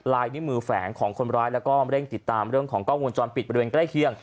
ลายนิ้วมือแฝงของคนร้ายแล้วก็เร่งติดตามเรื่องของกล้องวงจรปิดบริเวณใกล้เคียง